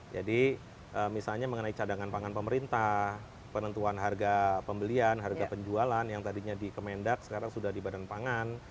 jadi misalnya mengenai cadangan pangan pemerintah penentuan harga pembelian harga penjualan yang tadinya di kemendak sekarang sudah di badan pangan